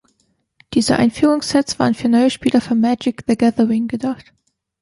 Diese Einführungs-Sets waren für neue Spieler von „Magic: The Gathering“ gedacht.